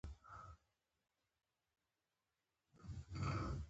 زه لا هم د افغانستان د زیان خوب وینم.